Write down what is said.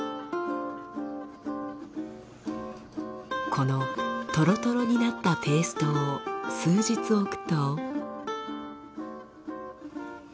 このトロトロになったペーストを数日置くと。